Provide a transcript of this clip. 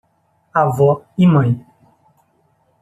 Avó e mãe